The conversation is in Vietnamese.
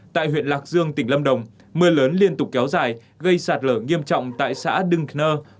tại huyện lạc dương tỉnh lâm đồng mưa lớn liên tục kéo dài gây sạt lở nghiêm trọng tại xã đưng nơ